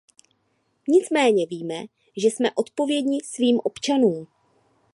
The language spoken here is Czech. Nicméně víme, že jsme odpovědni svým občanům.